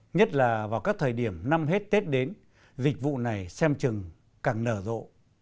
nhất là vào các thời điểm năm hết tết đến dịch vụ này xem chừng càng nở rộ